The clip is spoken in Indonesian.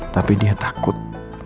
tapi dia takut